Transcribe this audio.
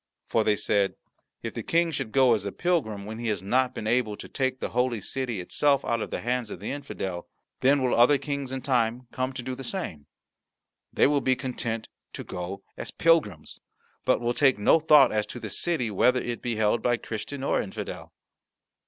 "For," said they, "if the King should go as a pilgrim, when he has not been able to take the Holy City itself out of the hands of the infidel, then will other Kings in time to come do the same. They will be content to go as pilgrims, but will take no thought as to the city, whether it be held by Christian or infidel."